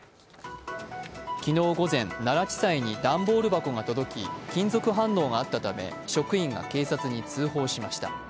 昨日午前、奈良地裁に段ボール箱が届き金属反応があったため職員が警察に通報しました。